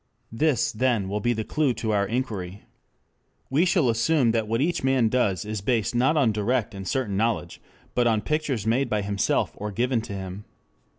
This, then, will be the clue to our inquiry. We shall assume that what each man does is based not on direct and certain knowledge, but on pictures made by himself or given to him.